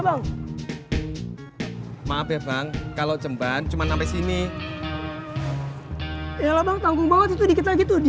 bang maaf ya bang kalau cemban cuman sampai sini ya lah bang tanggung banget itu dikit lagi tuh